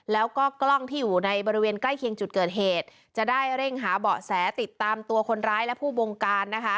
แล้วก็กล้องที่อยู่ในบริเวณใกล้เคียงจุดเกิดเหตุจะได้เร่งหาเบาะแสติดตามตัวคนร้ายและผู้บงการนะคะ